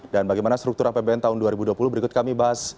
dan bagaimana struktur apbn tahun dua ribu dua puluh berikut kami bahas